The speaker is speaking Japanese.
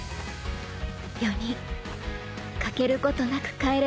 ４人欠けることなく帰れますね。